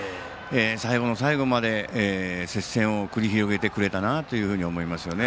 最後の最後まで接戦を繰り広げてくれたなと思いますね。